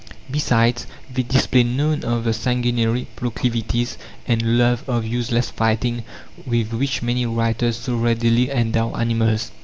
Besides, they display none of the sanguinary proclivities and love of useless fighting with which many writers so readily endow animals.